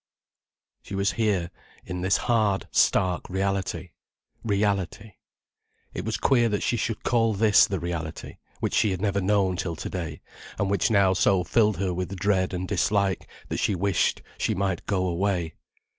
She was here in this hard, stark reality—reality. It was queer that she should call this the reality, which she had never known till to day, and which now so filled her with dread and dislike, that she wished she might go away.